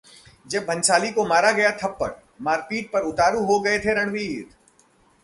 जब भंसाली को मारा गया था 'थप्पड़', मारपीट पर उतारू हो गए थे रणवीर